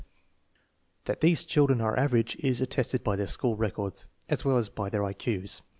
That these children are average is attested by their school records as well as by their I Q's.